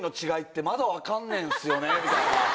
みたいな。